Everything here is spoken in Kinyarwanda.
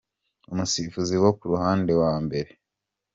Umusifuzi wo ku ruhande wa mbere: A.